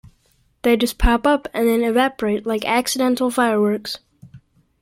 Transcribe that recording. They just pop up and then evaporate like accidental fireworks.